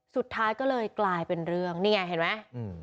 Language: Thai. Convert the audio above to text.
สุดท้ายก็เลยกลายเป็นเรื่องนี่ไงเห็นไหม